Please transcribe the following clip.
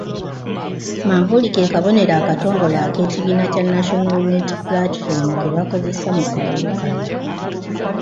Manvuuli ke kabonero akatongole ak'ekibiina kya National Unity Platform ke bakozesa mu kalulu kano.